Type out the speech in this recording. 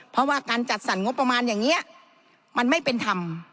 เพราะว่าการจัดสรรงบประมาณอย่างนี้มันไม่เป็นธรรม